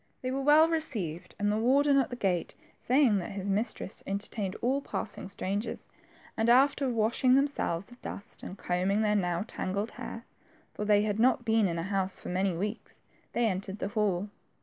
They were well received, the warden at the gate saying that his mistresses entertained all passing strangers, and after washing themselves of dust and combing their now tangled hair, for they had not been in a house for^ many weeks, they entered the hall.